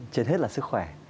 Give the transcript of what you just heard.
trên hết là sức khỏe